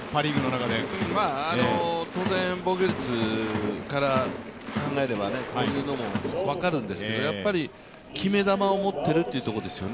当然、防御率から考えれば、こういうのも分かるんですけど、決め球を持っているというところですよね。